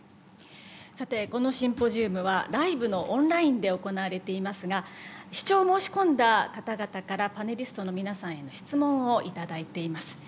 さてこのシンポジウムはライブのオンラインで行われていますが視聴を申し込んだ方々からパネリストの皆さんへの質問を頂いています。